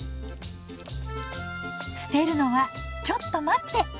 捨てるのはちょっと待って！